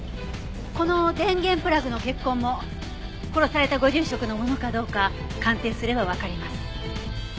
この電源プラグの血痕も殺されたご住職のものかどうか鑑定すればわかります。